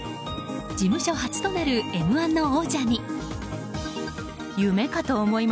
事務所初となる「Ｍ‐１」の王者に。